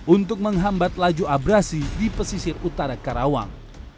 untuk menghambat laju abrasi di pesisir utara karawang